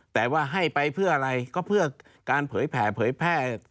แต่ว่าให้ไปเพื่ออะไรก็เพื่อการเผยแผ่เผยแพร่